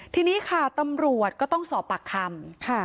ทีนี้ค่ะตำรวจก็ต้องสอบปากคำ